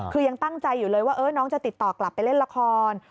คือยังตั้งใจอยู่เลยว่าน้องจะติดต่อกลับไปเล่นละคร